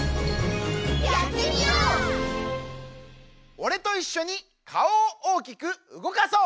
おれといっしょにかおをおおきくうごかそう！